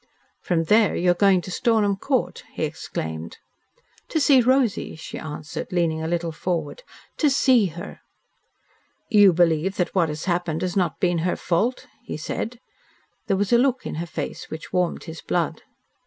"From there you are going to Stornham Court!" he exclaimed. "To see Rosy," she answered, leaning a little forward. "To SEE her. "You believe that what has happened has not been her fault?" he said. There was a look in her face which warmed his blood.